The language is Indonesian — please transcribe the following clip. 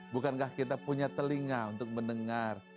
bukankah kita punya telinga untuk mendengar